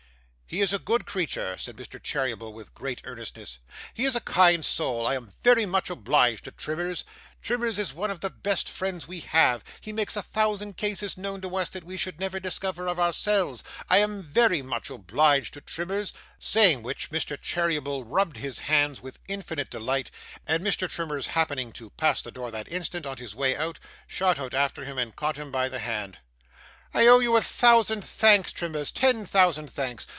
'He is a good creature,' said Mr. Cheeryble, with great earnestness. 'He is a kind soul. I am very much obliged to Trimmers. Trimmers is one of the best friends we have. He makes a thousand cases known to us that we should never discover of ourselves. I am VERY much obliged to Trimmers.' Saying which, Mr. Cheeryble rubbed his hands with infinite delight, and Mr. Trimmers happening to pass the door that instant, on his way out, shot out after him and caught him by the hand. 'I owe you a thousand thanks, Trimmers, ten thousand thanks.